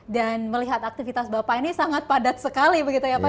dan melihat aktivitas bapak ini sangat padat sekali begitu ya pak